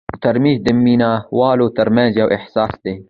ترموز د مینه والو ترمنځ یو احساس دی.